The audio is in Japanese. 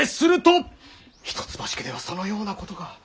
一橋家ではそのようなことが。